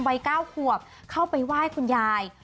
วัย๙ขวบเข้าไปไหว้คุณยาย